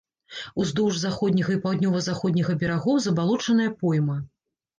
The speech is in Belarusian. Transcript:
Уздоўж заходняга і паўднёва-заходняга берагоў забалочаная пойма.